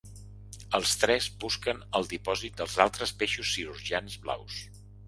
Els tres busquen el dipòsit dels altres peixos cirurgians blaus.